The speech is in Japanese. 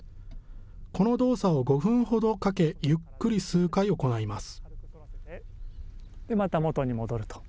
この動作を５分ほどかけゆっくり数回行います。